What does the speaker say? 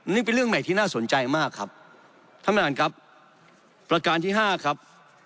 นี่เป็นเรื่องใหม่ที่น่าสนใจมากครับท่านประธานครับประการที่ห้าครับ